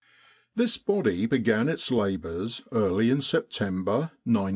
This body began its labours early in September, 1915.